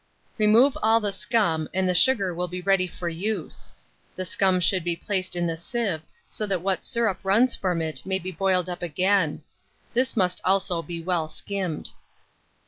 Remove all the scum, and the sugar will be ready for use. The scum should be placed on a sieve, so that what syrup runs from it may be boiled up again: this must also be well skimmed.